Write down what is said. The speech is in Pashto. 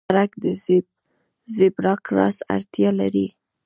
سړک د زېبرا کراس اړتیا لري.